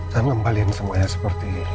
dan ngembalin semuanya seperti